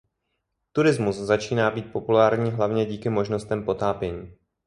Turismus začíná být populární hlavně díky možnostem potápění.